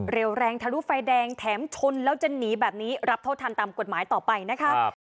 เร็วแรงทะลุไฟแดงแถมชนแล้วจะหนีแบบนี้รับโทษทันตามกฎหมายต่อไปนะคะ